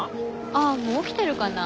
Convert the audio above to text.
あもう起きてるかな？